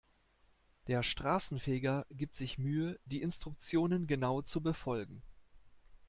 Der Straßenfeger gibt sich Mühe, die Instruktionen genau zu befolgen.